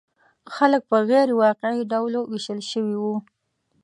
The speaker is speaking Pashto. خلک په غیر واقعي ډلو ویشل شوي وو.